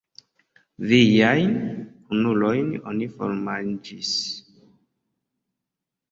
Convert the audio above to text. Viajn kunulojn oni formanĝis!